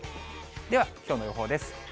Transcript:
では、きょうの予報です。